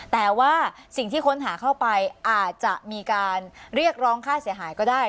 แต่ว่าสิ่งที่ค้นหาเข้าไปอาจจะมีการเรียกร้องค่าเสียหายก็ได้